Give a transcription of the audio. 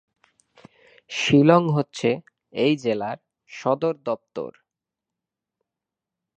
শিলং হচ্ছে এই জেলার সদরদপ্তর।